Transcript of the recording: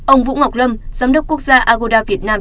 ông vũ ngọc lâm giám đốc quốc gia agoda việt nam